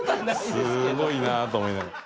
すごいなと思いながら。